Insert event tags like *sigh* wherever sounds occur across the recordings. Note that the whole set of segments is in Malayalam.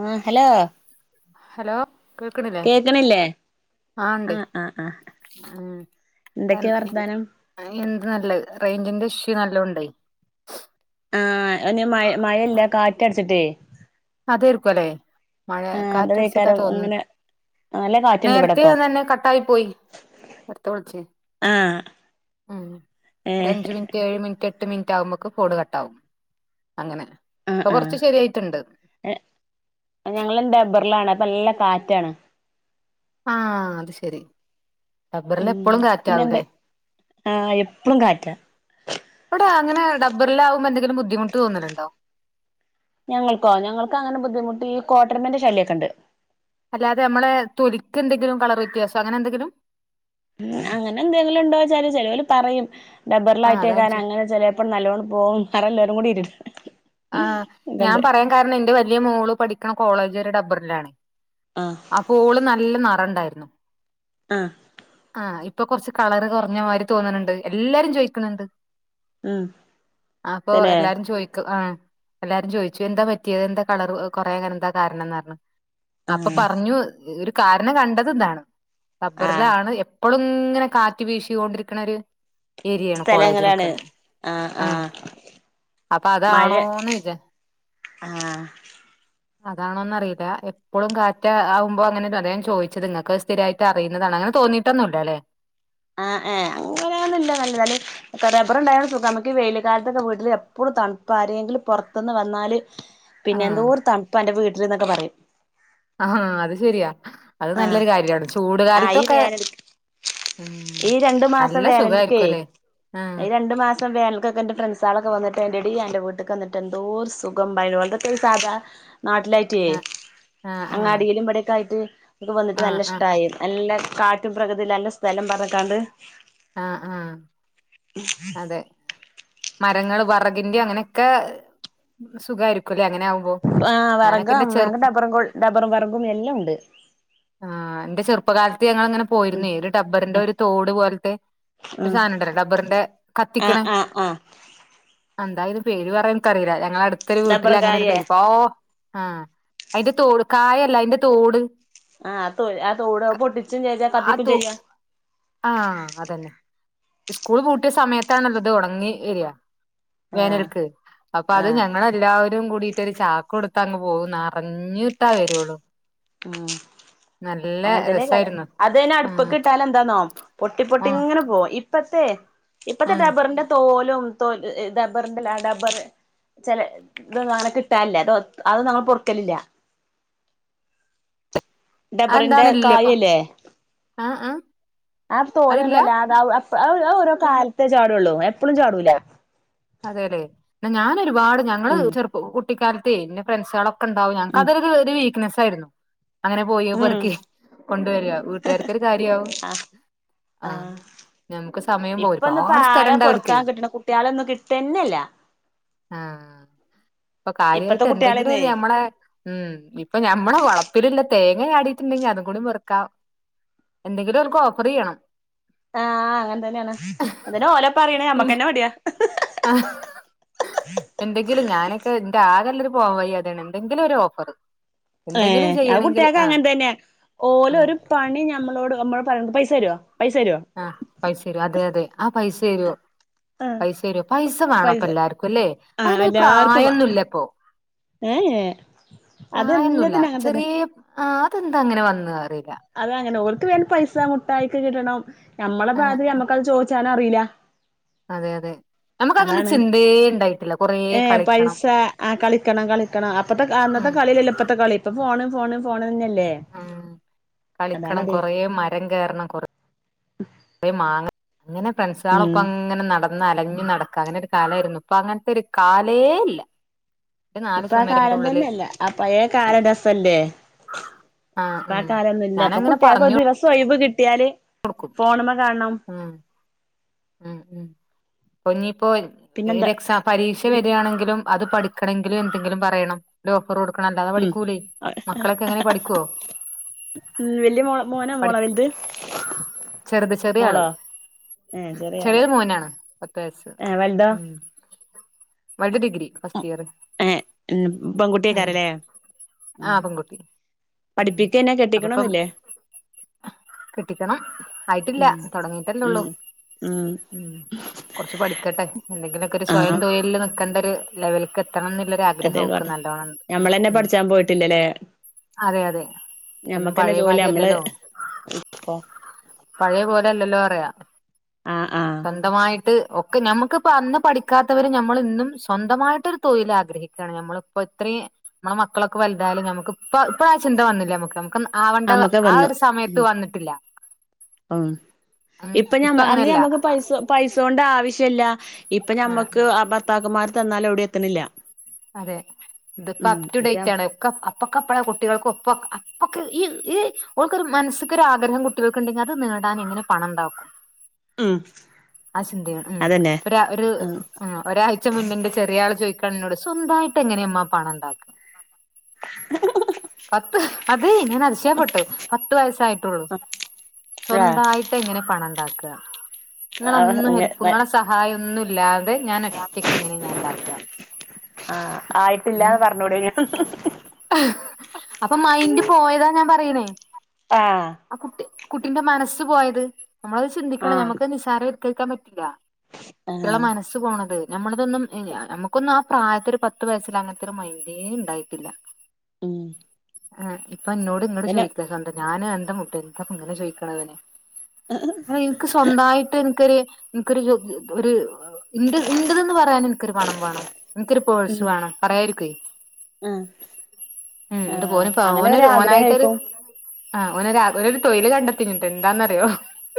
ആ ഹലോ ഹലോ കേക്ക്ണില്ലേ കേക്കണില്ലേ ആഹ് ആഹ് ആഹ് എന്തൊക്കെയാ വർത്താനം നല്ലോ ഇണ്ടയ് ആഹ് അയ്ന് മഴ മഴയില്ല കാറ്റട ട്ടേ അതെർക്കും അല്ലെ മഴ കാറ്റടിച്ചിട്ടാ എന്തതേക്കാരം തോന്നും ഇങ്ങനെ നല്ല കാറ്റുണ്ട് നേരത്തെ ഇവിടെപ്പം അതന്നെ കട്ടായി പോയി നേരത്തെവിളിച്ചി ആഹ് ഉം ഏഹ് ഒരഞ്ചു മിനിറ്റ് ഏഴ് മിനിറ്റ് എട്ട് എട്ട് മിനിറ്റ് ആകുമ്പോക്ക് കോള് കട്ടാവും അങ്ങനെ ഉം ഇപ്പൊ കൊറച്ച് ശരിയായിട്ടുണ്ട് ഉം ഞങ്ങളും ഡബ്ബറിലാണ് നല്ല കാറ്റാണ് ആഹ് അത് ശെരി ഡബ്ബറില് ഉം എപ്പൊളും കാറ്റാവും പിന്നെന്ത് ലേ ആഹ് എപ്പളും കാറ്റാ ബ്ബറിലാവുമ്പ എന്തെങ്കിലും ബദ്ധിമുട്ട് തോന്നലുണ്ടോ ഞങ്ങൾക്കോ ഞങ്ങൾക്ക് അങ്ങനെ ബുദ്ധിമുട്ടി കോട്ടെരമെന്റെ ശല്യൊക്കെ ഇണ്ട് അല്ലാതെ നമ്മളെ തൊലിക്ക് എന്തെങ്കിലും കളറ് വ്യത്യാസം അങ്ങനെ എന്തെങ്കിലും അങ്ങനെ എന്തെങ്കിലും ഉണ്ടോ ച്ചാല് ചെലോല് പറയും ഡബ്ബറിൽ ആ അതാ ചോദിച്ചേ ആയിട്ടേക്കാരം അങ്ങനെ ചെലേപ്പം നല്ലോണം പോവും നെറല്ലോരും കൂടി ഇരി ആഹ് ഞാൻ പറയാൻ കാരണം എന്റെ വല്ലിയ മോള് പഠിക്കണ കോളേ *unintelligible* ഒരു ഡബ്ബറിലാണ് ആഹ് അപ്പൊ ഓള് നല്ല ന *unintelligible* ഇണ്ടായിര്ന്നു ആഹ് ആഹ് ഇപ് ഇപ്പൊ കൊറച്ച് കളറ് കൊറഞ്ഞ മാരി തോന്നണുണ്ട് എല്ലാരും ചോയിക്ക്ണുണ്ട് ഉം അപ്പൊ തന്നെ എല്ലാരും ചോയിക്കും ആ എല്ലാരും ചോയിച്ചു എന്താ പറ്റിയത് എന്താ കളറ് കൊറയാൻ എന്താ കാരണംന്ന് പറഞ്ഞ് അപ്പൊ ആഹ് പറഞ്ഞു ഒര് കാരണം കണ്ടത് ഇതാണ് ആഹ് ടബ്ബറിലാണ് എപ് പ്പളും ഇങ്ങനെ കാറ്റ് വീശി കൊണ്ടിരിക്കണ ഒര് ഏരിയാണ് കോളേജ് സ്ഥലങ്ങളാണ് നിക്കണെ ആഹ് ആ ആഹ് അപ്പ മഴ അതാണോ ആഹ് അതാണോന്ന് അറീല എപ്പളും കാറ്റ് ആവുമ്പോ അങ്ങനെ *unintelligible* അത ഞാൻ ചോയിച്ചത് നിങ്ങക്ക് സ്ഥിരായിട്ട് അറിയുന്നതാണ് അങ്ങനെ തോന്നിട്ടൊന്നുല്ലല്ലേ ആഹ് ഏ അങ്ങനെയൊന്നും ഇല്ല *unintelligible* റബറുണ്ടായാൽ സുഖാ നമക്ക് ഈ വെയില് കാലത്തൊക്കെ വീട്ടില് എപ്പൊളും തണുപ്പാ ആരേങ്കിലും പൊറത്ത്ന്ന് വന്നാല് പിന്നെ എന്തോര് തണുപ്പ അന്റെ വീ *unintelligible* പറയും അഹാ അത് ശെരിയാ അത് ആഹ് നല്ലൊരു കാര്യാണ് ചൂട് ആഹ് ഈ കാലത്തൊക്കെ വേനൽ ഉം ഈ രണ്ടു മാസം നല്ല വേനൽക്കേ സുഖായിരിക്കും അല്ലേ ഈ ആഹ് രണ്ടു മാസം വേനലൽക്കൊക്കെ എന്റെ ഫ്രണ്ട്സ് ആളൊക്കെ വന്നിട്ട് എന്റെടീ എന്റെ വീട് ട്ടിക്ക് വന്നിട്ട് എന്തോരു സുഖം സാധാ നാട്ടിലായിട്ടേ ആഹ് അങ്ങ് ആഹ് അടീലും ഇപടെക്കെ ആയിട്ട് *unintelligible* വന്നിട്ട് ആഹ് ആഹ് നല്ല ആഹ് ഇഷ്ടായി നല്ല കാറ്റും പ്രകൃതിയിലല്ലസ് സ്ഥലം പറഞ്ഞക്കാണ്ട് ആഹ് ആഹ് അതെ മരങ്ങൾ വറകിന്റെ അങ്ങനെക്കെ സുഖാരിക്കും ആ വിറകും ഡബറും ഡബ്ബറും വറകും എല്ലോം ഇണ്ട് *unintelligible* ഞങ്ങൾ അങ്ങനെ പോയിരുന്നേ ഒരു ടബറിന്റെ ഒരു തോട് പോലത്തെ ഒരു ഉം സാധനുണ്ടല്ലേ ടബ്ബറിന്റെ ആഹ് ആഹ് കത്തിക്കണേ ആഹ് ആഹ് ആഹ് എന്തായ ഇത് പേര് പറയൻക്കറിയില്ല ഞങ്ങള അടുത്തൊരു വീട്ടില് ഡബറും അങ്ങനെരു കായേ ഒരുപാ ആഹ് അയ്ന്റെ തോട് കായല്ല അയ്ന്റെ തോട് ആഹ്, ആ തോട് ആ തോട പൊട്ടിച്ചും ചെയ്താ ആ കത്തിക്കും തോ ചെയ്യാ ആഹ് അതന്നെ സ്കൂൾ പൂട്ടിയ സമയത്താണത് ഉണങ്ങി വെരാ ആഹ് വേനൽക്ക് അപ്പൊ അത് ആഹ് ഞങ്ങള എല്ലാവരും *unintelligible* കൂടിയിട്ടൊരു ചാക്ക് കൊടുത്തു അങ്ങ് പോകും നെറഞ്ഞിട്ടേ വരൊള്ളൂ ഉം അങ്ങനെ തന്നെ എല്ലാരും രസായിരുന്നു അതന്നെ ആഹ് അടുപ്പ്ക്കിട്ടാല് എന്താന്നോ പൊട്ടി പൊ ആഹ് ഇങ്ങനെ പോ ഇപ്പ *unintelligible* ഇപ്പത്തെ ആഹ് ഡബറിന്റെ തോൽ *unintelligible* ഡബ്ബറി ഡബ്ബർ ചെലേ ഇത് അങ്ങനെ കിട്ടാല്ല അ അത് നമ്മൾ പൊർക്കലില്ല ഡബ്ബറിന്റെ അതെന്താണ് ഇല്ലേ ഇപ്പൊ കായല്ലേ ആഹ് ആഹ് ആ തോല് അതില്ല *unintelligible* അത് അത് ഓരോ കാലത്തെ ചാടുള്ളൂ എപ്പളും ചാടൂല അതെ ലേ ന്നാ ഞാനൊരു ഒരുപാട് ഞങ്ങള് ഉം ചെറു *unintelligible* ക്കാലത്തേ എന്റെ ഫ്രണ്ട്സള ഉം ഉണ്ടാവങ്ങൾക്ക്തൊരു നസ ആയിരുന്നു അങ്ങനെ ഉം പോയിപ്പോർക്ക് കൊണ്ട വരിക വീട്ടുകാർക്കൊരു കാര്യവും ആ ആ നമുക്ക് സമയം പോ ഇപ്പൊന്നും ഇപ്പ ഒരുപാട് സ്ഥലം ആരാ ഇണ്ട അവർക്കേ പൊറക്കാൻ കിട്ടണ കുട്ടികളൊന്നും കിട്ടന്നെല്ല ആ ഇപ്പൊ ഇപ്പത്തെ കാര്യമായിട്ട് കുട്ടികളെന്നേ എന്തെങ്കിലും ഞമ്മളെ ഉം ഇപ്പൊ ഞമ്മടെ വളപ്പില്ല്ലെ തേങ്ങ ചാടിയിട്ടുണ്ടെങ്കി അതും കൂടി പെറുക്കാം. എന്തെങ്കിലും ഓർക്ക് ഓഫർ ചെയ്യണം ആ അങ്ങനെ തന്നെയാണ് അതന്നെ ഓല പറയണേ മ്മക്കെന്നെ മടിയാ ആ എന്തെങ്കിലും ഞാനൊക്കെ എന്റെ ആകെ ഉള്ളൊരു പോം വഴിയായിട്ടാണ് എന്തെങ്കിലും ഒരു ഓഫർ ഏ എന്തെങ്കിലും അത് ചെയ്യണെങ്കിൽ കുട്ട്യാക്ക്‌ ആഹ് അങ്ങനെ തന്നെയ ഓല് ഉം ഒരു പണി നമ്മളോട് നമ്മള് പറ പൈസ തരോ ആഹ് പൈസര് അതെ അതെ ആ പൈസ് *unintelligible* ആ പൈസ വരു പൈസ വേണപ്പ പൈസ എല്ലാർക്കും അല്ലേ ആ അതിനരു എല്ലാർക്കും പ്രായന്നുമല്ലപ്പൊ ഏ പ്രായന്നില്ല അതെല്ലാത്തിനും അങ്ങനെ തന്നെ ചെറിയ ആ അദ് അ അങ്ങനെ വന്നാ അറി അത അങ്ങനെ ഓ വേ പൈസ മുട്ടായിക്ക് കിട്ടണം നമ്മളുടെ ആഹ് ബാതിൽ നമ്മക്ക അത് ചോദിച്ചാ അറിയില്ല അതെ അതെ നമുക്ക് അങ്ങനെ അതാണ് ചിന്തയേ ഉണ്ടായിട്ടില്ല കൊറേ ഏ കളിക്കണം പൈസ ആ കളിക്കണം കളിക്കണം അപ്പത്തെ അന്നത്തെ ഉം കളില്ല ഇപ്പത്തെ കളി ഇപ്പ ഫോണ് ഫോണ് ഫോണന്നല്ലേ ആാാ കളിക്കണം കൊറേ മരം കയറണം കുറച്ച് കൊറേ മാങ്ങ അങ്ങനെ ഫ്രണ്ട്സ ഉം ളൊപ്പം അങ്ങനെ നടന്നലാഞ്ഞു ഇ നടക്കാ അങ്ങനെ ഒരു കാലമായിരുന്നു ഇപ്പൊ അങ്ങനത്തെ ഒരു കാലേ ഇല്ല ഒരു നാല് ഇപ്പ ആ ചുമരന്റെ കാലം ഉള്ളില് തന്നെല്ല ആ പഴയ കാലം രസല്ലേ ഇപ്പൊ ആ കാലംന്നല്ല ഇപ്പൊ ഞാനങ്ങനെ കുട്ടികക്ക് ഒരു പറഞ്ഞു ദിവസം ഒഴിവ് കിട്ടി കിട്ടിയാല് കൊടുക്കും ഫോണമ്മ കാണണം ഉം ഉം ഉം കൊഞ്ഞി ഇപ്പോ ഏത് പിന്നെന്താ എക്സാം പരീക്ഷ വരികണെങ്കിലും അത് പഠിക്ക ആക്കണെങ്കിലും എന്തെങ്കിലും പറയണംല്ലോ കൊറ കൊടുക്കണല്ലാതെ ഉം പഠിക്കൂലേ മക്കളൊക്കെ എങ്ങനെ പഠിക്കുവോ ഉം വല്യ മോള മോനോ പഠി മോളോ വലുത് ചെറുത് ചെറിയ ആള് മോളോ ഏ ചെറിയ ആള് ചെറിയൊരു മോനാ പത്ത് വയസ്സ് ഏ വലുതോ വലുദ് ഡിഗ്രി കേറ് ഏ ഉം പെൺകുട്ടിയേക്കാരല്ലേ ആ പെൺകുട്ടി പഠിപ്പിക്കന്നെ അത് അപ്പം കെട്ടിക്കണൊന്നില്ലേ കെട്ടിക്കണം ആയിട്ടില്ല ഉം തുടങ്ങിട്ടല്ലേള്ളൂ ഉം ഉം കൊറച്ച് പഠിക്കട്ടെ എന്തെങ്കിലൊക്കെ ഒരു സ്വയം ആഹ് തൊഴിലിൽ നിൽക്ക *unintelligible* എന്തൊരു ലെവലിക്ക കെട്ടണമെന്നുള്ള ള്ള ആഗ്രഹം ഒക്കെ അതേക്കോട്ടെ നല്ലോണം ഉ ഞമ്മളന്നെ ഉ പഠിച്ചാൻ പോയിട്ടില്ലല്ലേ അതെ അതെന്നും ഞമ്മക്കന്നെ പഴയ ജോലി നമ്മള് മാരില്ലല്ലോ പഴയ പോലല്ലല്ലോ *unintelligible* ആഹ് ആഹ് സ്വന്തമായിട്ട് ഒ ഞമ്മുക്കിപ്പ അന്ന് പഠിക്കാത്തവര് നമ്മൾ ഇന്നും സ്വന്തമായിട്ടൊരു തൊഴി ൽ ആഗ്രഹിക്കുകയാണ് നമ്മളിപ്പോ ഇത്രയും നമ്മെ മക്കളൊക്കെ വലുതാലും നമുക്കിപ്പ ഇപ്പഴ ആ ചിന്ത വന്നില്ല നമ്മുക്ക് നമുക്ക് ആവണ്ട നമ്മക്ക് ആ വന്നു ഒരു സമയത്ത് ഉം വന്നിട്ടില്ല ഉം ഇപ്പൊ ഞമ്മ അന്ന് അങ്ങനെയല്ല നമുക്ക് പൈസ പൈസോണ്ട് ഡ ആവശ്യല്ല ഇപ്പൊ ഞമ്മക്ക് ആ ഭർത്താക്കന്മാർ തന്നാലും എവിടെ എ ക്കുന്നില്ല. അതെ ഇതിപ്പോ അപ് ടു ഡേറ്റ് ആണ് ഒക്കെ അപ്പൊക്കെ അപ്പള് കുട്ടികൾക്ക്‌ ഒപ്പം ഓക്ക് ‌ ഈ ഈ ഓൾക്കൊരു മനസ്സിക്കൊരു ആഗ്രഹം കുട്ടികൾക്ക്‌ ഉണ്ടെങ്കിൽ അത് നേടാൻ എങ്ങനേം പണം ഉണ്ടാക്കും. ഉം ആ ചിന്തയാണ് ഉം അതന്നെ ഒരു ഉം ഒരാഴ്ച മുന്നെ ന്റെ ചെറിയ ആള് ചോദിക്കാണ് എന്നോട് സ്വന്തായിട്ട് എങ്ങനെയമ്മാ പണം ഉണ്ടാക്കാ പത്ത് അതെ ഇങ്ങനെ അരിശയപ്പെട്ടു പത്ത് വയസായിട്ടുള്ളൂ ആഹ് സ്വന്തമായിട്ട് ഇങ്ങനെ പണം ഉണ്ടാക്കാ? *unintelligible* നിങ്ങളൊന്നും ഹെല്പ്പ് ആഹ് നിങ്ങളെ സഹായം ഒന്നും ഇല്ലാതെ ഞാൻ ഒറ്റക്കെ ഇങ്ങനെ ഞാൻ ഉണ്ടാക്കാ ആഹ് ഉ ആയിട്ടില്ലാന്ന് പറഞ്ഞൂടേനോ അപ്പോ മൈൻഡ് പോയതാ ഞാൻ പറയണേ ആഹ് ആ കുട്ടി കുട്ടിന്റെ മനസ് പോയത് നമ്മളത് ചിന്തിക്കണം ആഹ് നമ്മക്ക് നി *unintelligible* പറ്റൂല. കുട്ടികളെ ആഹ് മനസ് പോണത് നമ്മളതൊന്നും നമുക്കൊന്നും ആ പ്രായത്തൊരു പത്ത് വയസ്സിൽ അങ്ങനത്തെ ഒരു മൈൻഡേ ഉണ്ടായിട്ടില്ല. ഉം ആഹ് ഇപ്പോ എന്നോട് ഇങ്ങോട് പിന്നെ ചോദിക്കാ ഞാന് ന്റെ മുട്ട് ന്താപ്പാ ഇങ്ങനെ ചോയിക്കണതിന് ആ ഇവക്ക് സ്വന്തായി നിനക്കൊരു *unintelligible* ഒരു ഇണ്ട് ഇൻറ്റതെന്ന് പറയാ എനക്കൊരു പണം വേണം എനക്കൊരു പോഴ്സ് ഉം വേണം പറയാരിക്കുവേ ആഹ് ഉം ആഹ് *unintelligible* അങ്ങനെ ഓനൊരു ഓനായിട്ടൊരു ഒരാഗ്രഹായിരിക്കും ആ ഒര ഓന് തൊയ്ല് കണ്ടെത്തിനട്ട് എന്താന്ന്റിയോ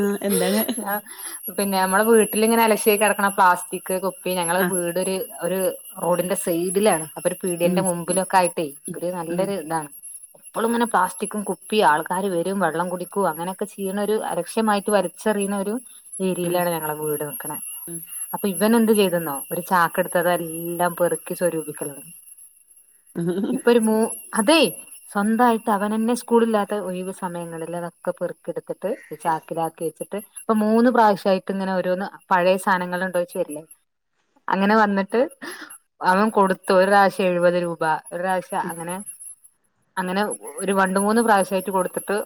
ആഹ എന്താണ് പിന്നെ നമ്മുടെ വീട്ടിലിങ്ങനെ അലശ ആക്ക കിടക്കണം പ്ലാസ്റ്റിക് കുപ്പി ഞങ്ങളെ ആഹ് വീടൊരു ഒരു റോഡിന്റെ സൈഡിലാണ് അപ്പൊ ഒരു ഉം പീടിയറെ മുമ്പിലൊക്കെ ആയിട്ടേ ഒരു ഉം നല്ലൊരു ഇതാണ് എപ്പോളും ഇങ്ങനെ പ്ലാസ്റ്റിക്കും കുപ്പി ആൾക്കാര് വരും വെള്ളം കുടിക്കും അങ്ങനെയൊക്കെ ചെയ്യണ ഒരു അരക്ഷ്യമായിട്ട് വരച്ചെറിയുന്ന ഒരു ഉം ഏരിയയിലാണ് ഞങ്ങളെ വീട് നക്കുന്നത് അപ്പൊ ഇവൻ എന്ന്ത് ചെയ്തന്നോ ഒരു ചാാക്ക എടുത്തത എല്ലാം പെറുക്കി സ്വരൂപിക്കണംത് ഇപ്പൊ ഒരു മൂ അതെ സ്വന്തമായിട്ട് അവൻന്നെ സ്കൂളില്ലാത്ത ഒഴിവ് സമയങ്ങളിൽ അതൊക്കെ പെറുക്കിയെടുത്തിട്ട് ചാക്കിിലാക്കി *unintelligible* മൂന്ന് പ്രാവശ്യായിട്ട് ഇങ്ങനെ ഓരോന്ന് പഴയ സാധനങ്ങൾ ഉണ്ടോച്ച് വരില്ലേ അങ്ങനെ വന്നിട്ട് അവൻ കൊടുത്തു ഒരു പ്രാവശ്യം എഴുപത് രൂപ ഒരാഴ്ച അങ്ങനെ അങ്ങനെ ഒരു രണ്ട് മൂന്ന് പ്രാവശ്യമായിട്ട് കൊടുത്തിട്ട്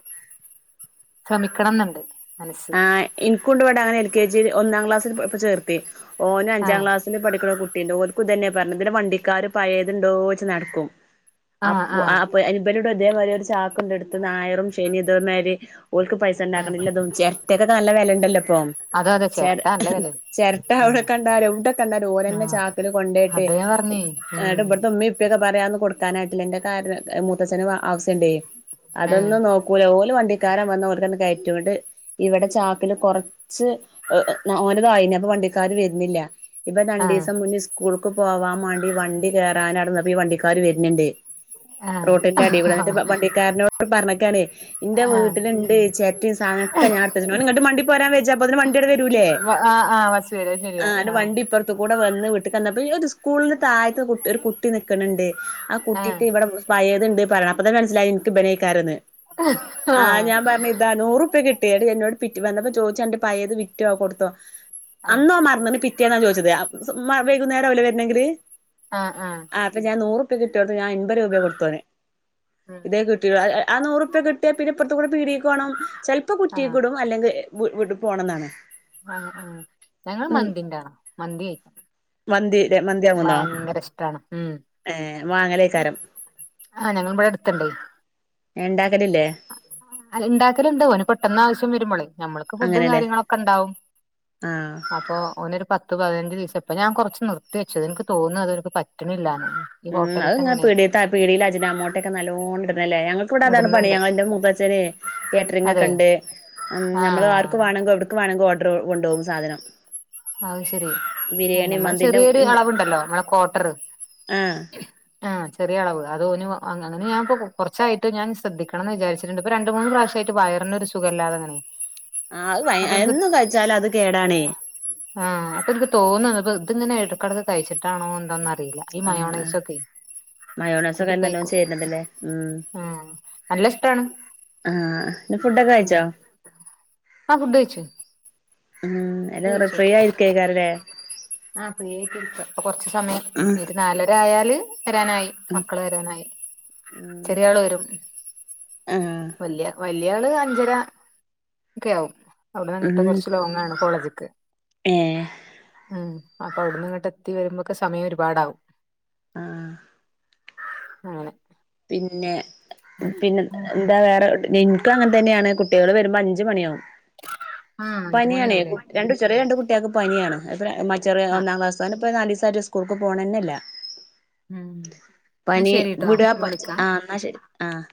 ശമിക്കണം എന്നുണ്ട് മനസ്സ് ആഹ ഇ- കൊണ്ടപോയിട്ട് അവനെ *unintelligible* എൽ കെ ജി ഒന്നാം ക്ലാസ്സിൽ ചേർക്കും *unintelligible* ഓന് അഞ്ചാം ആഹ് ക്ലാസ്സിൽ പഠിക്കുന്ന കുട്ടിന്റെ ഓല് ഇത് തന്നെ പറഞ്ഞത് വണ്ടിക്കാര് പഴയതുണ്ടോ വെച്ച് നടക്കും ആഹ് ആഹ് അപ്പൊ ഇവരോട് ഇതേ മാതിരി ഒരു ചാക്ക് കൊണ്ടെടുത്തുന്ന ഞായറും ശനി ഇതേമാരി ഓക്ക് പൈസ ആഹ് ഉണ്ടാക്കണില്ല *unintelligible* ഇപ്പക്കെ നല്ല വിലഉണ്ടല്ലോ ഇപ്പം അതെ അതെ ച ചേരട്ട നല്ല വെല ചിരട്ട ഉം അവിടെ കണ്ടാലും എവിടെ കണ്ടാലും ഓലെ തന്നെ ആഹ് ചാക്കല് കൊണ്ടയിട്ട് അതെ ഞാൻ പറഞ്ഞേ എന്നട്ട് ഉം ഇവിടത്തെ ഉമ്മിഉപ്പ ക്കെ പറയാന്ന് കൊടുക്കാനായിട്ടില്ല എന്റെ കാര് മൂത്തച്ഛനന് ആവശ്യുണ്ട് ആഹ് അതൊന്നും നോക്കൂല ഓലും വണ്ടി ക്കാരം വന്ന കൊടുക്കന്ന് കയറ്റുണ്ട് ഇവിടെ ചാക്കില് കുറച്ച് ഓനതായിന അപ്പൊ വണ്ടിക്കാര് വരുന്നില്ല ഇപ്പൊ രണ്ടു ദിവസം മുന്നേ സ്കൂൾക്ക് പോവാൻ വേണ്ടി വണ്ടി കയറാനവിടെ വണ്ടിക്കാര് വരുന്നുണ്ട് ആഹ് റോട്ടിന്റെ അടി ആഹ് ഇവിടെവന്നിട്ട് വണ്ടിക്കാരനോട് പറഞ്ഞ കണ് എന്റെ ആഹ് വീട്ടിലുണ്ട് ചിരട്ടയും സാധനം ഞാ ഇങ്ങട്ട് വണ്ടി പോരാൻ വച്ചപ്പ അതിന് വണ്ടിയടെ വരൂല്ലേ ആ ആ വസുവര ആ ശരിയാ വണ്ടിപ്പറത്ത കൂടെ വന്ന് വീട്ട് കന്നപ്പോ ഒരു സ്കൂളി തയ് ഒരു കുട്ടി നിക്കണണ്ട് ആ കുട്ടിക്ക് ഇവിടെ അണ്ട് പറയ അത് മനസിലായി എനിക്ക്ഭിനയിക്കാരന്ന് ആ ഞാൻ പറഞ്ഞ ഇതാ നൂറ് പേടി എന്നോട് പിറ്റി വന്നപ്പോ ചോദിച്ചാണ്ട് പയത് വിറ്റുവോ കൊടുത്തോ ആ ആ അന്നോ മറന്നന് പിറ്റേന്നാ ചോദിച്ചത് മ വൈകുന്നേരം അവില്ലെ വരണമെങ്കില് ആ അപ്പൊ ഞാൻ നൂറ് ക്ക് കിട്ടും ഞാൻ എൻപത് രൂപ കൊടുത്തെ ഇതേ കിട്ട നൂറുപ്യ പിന്നെപ്പിറത്തു കൂടെ പീടികയ്ക്ക് പോണം ചെ ഇപ്പൊ ആ ആ കുറ്റിയൊക്കിടും അല്ലെങ്കിൽ വീട് വിട്ട് പോണന്നാ ആ ഞങ്ങള് മന്തിന്റെ മന്തി മന്തി മന്തി വാങ്ങുന്നോ ഭയങ്കര ഇഷ്ടാണ് ഉം ഏ വാങ്ങലേക്കാരം ആ ഞങ്ങള് ഇവിടെ അടുത്തുണ്ട് ഇണ്ടാക്കലില്ലേ ഇണ്ടാക്കലുണ്ട് ഓന് പെട്ടെന്ന് ആവശ്യം വരുമ്പോളെ ഞമ്മൾക്ക് ഫുഡും അങ്ങനെല്ലേ കാര്യങ്ങളൊക്കെ ഉണ്ടാവും ആഹ് അപ്പൊ ഓനൊരു പത്ത് പത്ത് പതിനഞ്ച് ദിവസായി ഇപ്പോ ഞാൻ കുറച്ച് നിർത്തി വച്ചതിൻ എനിക്ക് തോന്നുന്നത് അതിവർക്ക് പറ്റണില്ലാന്നാ ഉം അതങ്ങനെ പീടിയത്തെ പീടിലെ അജനാമോട്ടോയൊക്കെ നല്ലോണം ഇടണതല്ലേ ഞങ്ങ ഫുഡ്‌ താണ് പണി ഇടുന്നുണ്ട് ഞങ്ങള് എന്റെ മൂത്താച്ചാരെ കാറ്ററിങ് അതെ ഒക്കെണ്ട് ആ നമ്മൾ ആർക്ക് വേണങ്കി എവിടേക്ക് വേണങ്കി ഓർഡർ കൊണ്ടുപോകും സാധനം അത് ശരി ബിരിയാണി നമ്മള് മന്തിന്റെ ചെറിയൊരു അളവുണ്ടല്ലോ നമ്മളെ കോട്ടർ ആഹ് ആ ചെറിയളവ് അതോനും അങ്ങനെന്നെ ഞാനിപ്പോ കുറച്ചായിട്ട് ഞാൻ ശ്രദ്ധിക്കണന്ന് വിചാരിച്ചിട്ടുണ്ട് ഇപ്പ രണ്ട് മൂന്ന് പ്രാവശ്യമായിട്ട് വയറിനൊരു സുഖമില്ലാതെ ആ അത് എന്നും കഴിച്ചാലെ അത് കേടാണേ ആ അപ്പൊ എനിക്ക് തോന്നുന്നു ഇപ്പ ഇത് ഇങ്ങനെ ഇടയ്ക്കിടയ്ക്ക് കഴിച്ചിട്ടാണോ എന്തോന്നറി അറിയില്ല ഈ ആഹ് മയോണൈസൊക്കെ കൂട്ടി മയോണസൊക്കെ നല്ലോം കഴിക്കും ചേരുന്നതല്ലേ ഉം നല്ല ഇഷ്ടാണ് ആഹ് പിന്നെ ഫുഡൊക്കെ കഴിച്ചോ ആ ഫുഡ് കഴിച്ചു ഉം ഫുഡ്‌ അല്ല കഴിച്ചോ ഫ്രീ ആയിരിക്കേക്കാരല്ലേ ആ ഫ്രീ ആയിട്ടിരിക്കാ അപ്പോ കൊറച്ച് ഉം സമയം നാലര ആയാ ല് വരാനായി ഉം മക്കള് വരാനായി ഉം ചെറിയ ആള് വരും ആഹ് വല്യ വ വലിയാള് അഞ്ചര ഒക്കെ ആവും ഉം അവിടെന്നങ്ങട്ട് കുറച്ച് ലോങ്ങാണ് കോളേ ജിക്ക് ഏഹ് ഉം അപ്പൊ അവിടന്നിങ്ങട്ടെത്തി വരുമ്പോക്കെ സമയം ഒരുപാടാവും ആഹ് ആങ്ങനെ പിന്നെ പിന്നെ എന്താ വേറെ ഒടിന് എനിക്ക് അങ്ങനെ തന്നെയാണ് കു കുട്ടികള് വരുമ്പോ അഞ്ച് മണിയാവും ആ അഞ്ച് പനിയാണേ മണിയാവൂലേ കു രണ്ട് ചെറിയ രണ്ട് കുട്ടികൾക്ക് പനിയാണ് മ ചെറിയ ആ ഒന്നാം ക്ലാസാണ് ഇപ്പൊ നാല് വയ തരു സ്കൂൾക്ക് പോണെന്നെയില്ല ഉം എന്നാ ശരിട്ടോ ഞാ വിളി ആഹ് എന്നാ ശരി ആഹ്